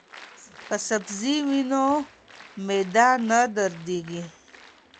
که سبزی وي نو معده نه دردیږي.